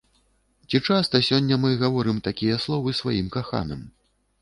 Ці часта сёння мы гаворым такія словы сваім каханым?